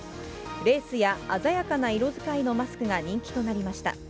レースや鮮やかな色づかいのマスクが人気となりました。